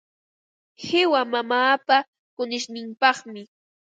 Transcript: Qiwa mamaapa kunishninpaqmi.